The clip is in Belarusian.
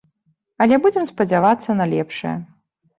Але будзем спадзявацца на лепшае.